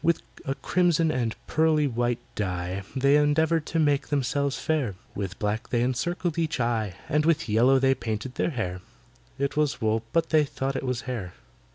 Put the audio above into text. With a crimson and pearly white dye They endeavoured to make themselves fair, With black they encircled each eye, And with yellow they painted their hair (It was wool, but they thought it was hair).